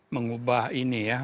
mengubah ini ya